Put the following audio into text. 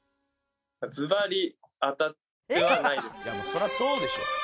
「そりゃそうでしょ」